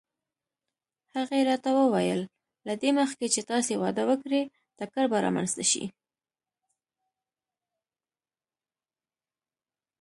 هغې راته وویل: له دې مخکې چې تاسې واده وکړئ ټکر به رامنځته شي.